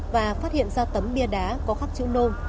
và phát hiện ra tấm bia đá có khắc chữ nôm